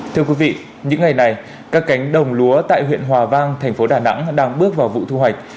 thưa quý vị những ngày này các cánh đồng lúa tại huyện hòa vang thành phố đà nẵng đang bước vào vụ thu hoạch